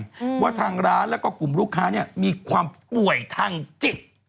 เพราะทางร้านและกลุ่มลูกค้ามีความป่วยทางจิต